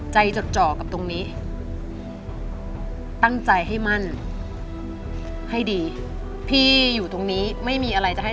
จดจ่อกับตรงนี้ตั้งใจให้มั่นให้ดีพี่อยู่ตรงนี้ไม่มีอะไรจะให้